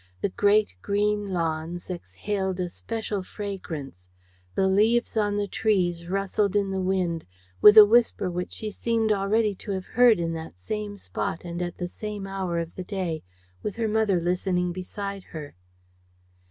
The great, green lawns exhaled a special fragrance. The leaves on the trees rustled in the wind with a whisper which she seemed already to have heard in that same spot and at the same hour of the day, with her mother listening beside her.